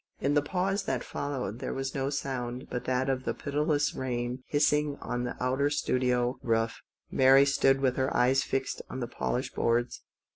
In the pause that followed there was no sound but that of the pitiless rain hissing on the outer studio roof. Mary stood with her eyes fixed on the polished boards.